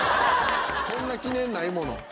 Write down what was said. こんな記念ないもの。